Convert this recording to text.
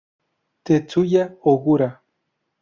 Tetsuya Ogura